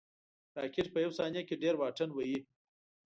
راکټ په یو ثانیه کې ډېر واټن وهي